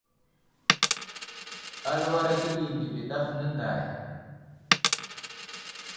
Aluwar akəɗi ndiɓimi ɗaf nənday.